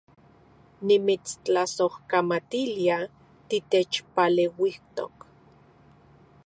Nimitstlasojkamatilia titechpaleuijtok